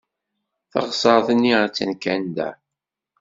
Taɣsert-nni attan kan da.